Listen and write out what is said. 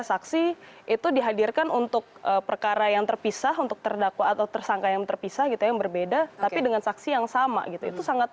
saksi itu dihadirkan untuk perkara yang terpisah untuk terdakwa atau tersangka yang terpisah gitu yang berbeda tapi dengan saksi yang sama gitu